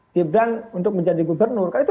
gibran untuk menjadi gubernur kan itu